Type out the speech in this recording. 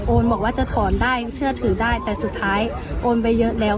บอกว่าจะถอนได้เชื่อถือได้แต่สุดท้ายโอนไปเยอะแล้ว